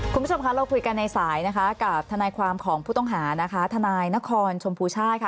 คุณผู้ชมคะเราคุยกันในสายนะคะกับทนายความของผู้ต้องหานะคะทนายนครชมพูชาติค่ะ